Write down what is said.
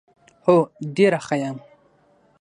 هو ډېره ښه یم .